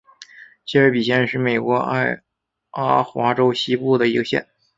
谢尔比县是美国爱阿华州西部的一个县。